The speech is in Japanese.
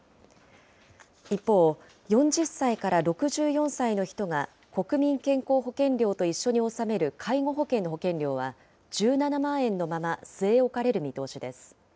一方、４０歳から６４歳の人が国民健康保険料と一緒に納める介護保険の保険料は、１７万円のまま据え置かれる見通しです。